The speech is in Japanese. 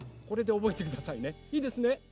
これでおぼえてくださいねいいですね。